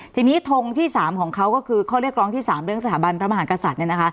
ทีนี้ทงที่๓ของเขาก็คือข้อเรียกร้องที่๓เรื่องสถาบันพระมหากษัตริย์เนี่ยนะคะ